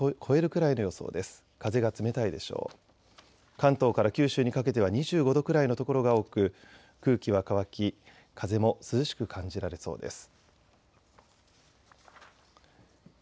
関東から九州にかけては２５度くらいの所が多く空気は乾き風も涼しく感じられそうです。